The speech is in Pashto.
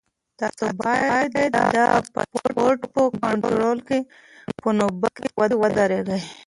تاسو باید د پاسپورټ په کنټرول کې په نوبت کې ودرېږئ.